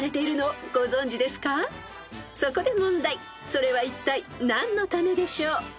［それはいったい何のためでしょう？］